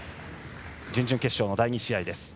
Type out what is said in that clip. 準々決勝の第２試合です。